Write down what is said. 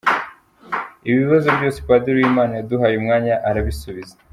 Ibi bibazo byose, Padiri Uwimana yaduhaye umwanya arabisubiza.